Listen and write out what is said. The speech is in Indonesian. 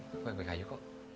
aku baik baik aja kok